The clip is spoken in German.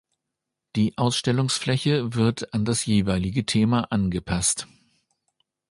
Die Ausstellungsfläche wird an das jeweilige Thema angepasst.